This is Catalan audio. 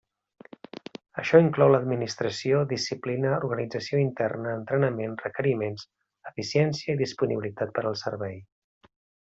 Això inclou l'administració, disciplina, organització interna, entrenament, requeriments, eficiència i disponibilitat per al servei.